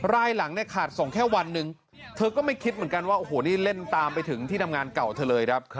รายหลังเนี่ยขาดส่งแค่วันหนึ่งเธอก็ไม่คิดเหมือนกันว่าโอ้โหนี่เล่นตามไปถึงที่ทำงานเก่าเธอเลยครับ